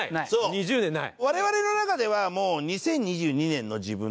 ２０年ない？